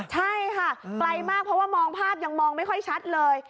ใช่ค่ะไกลมากเพราะว่ามองภาพยังมองไม่ค่อยชัดเลย